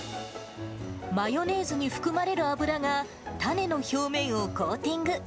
マヨネーズに含まれる油がたねの表面をコーティング。